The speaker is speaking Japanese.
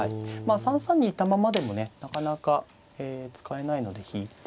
３三にいたままでもねなかなか使えないので引いて。